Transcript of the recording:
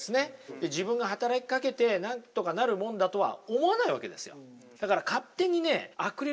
で自分が働きかけてなんとかなるもんだとは思わないわけですよ。